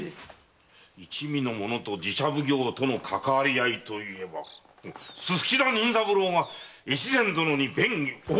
一味の者と寺社奉行とのかかわり合いといえば薄田任三郎が越前殿に便宜をおおっ⁉